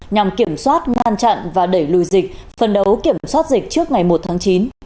nhằm kiểm soát ngăn chặn và đẩy lùi dịch phân đấu kiểm soát dịch trước ngày một tháng chín